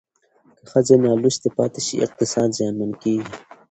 که ښځې نالوستې پاتې شي اقتصاد زیانمن کېږي.